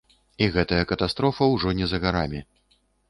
І гэтая катастрофа ўжо не за гарамі.